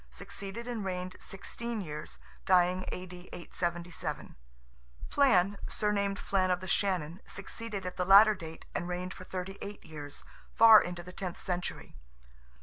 succeeded and reigned sixteen years (dying A.D. 877); Flan (surnamed Flan of the Shannon) succeeded at the latter date, and reigned for thirty eight years, far into the tenth century.